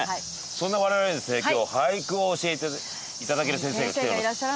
そんな我々にですね今日俳句を教えて頂ける先生が来ております。